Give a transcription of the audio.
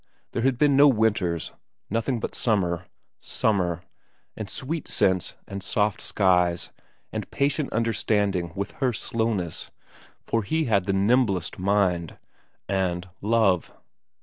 There had been no winters ; nothing but summer, summer, and sweet scents and soft skies, and patient understanding with her slowness for he i VERA 3 had the nimblest mind and love.